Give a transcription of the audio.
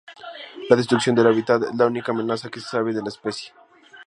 La destrucción del hábitat es la única amenaza que se sabe de la especie.